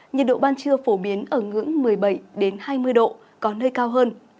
nhiệt độ ban trưa phổ biến ở ngưỡng một mươi bảy hai mươi độ có nơi cao hơn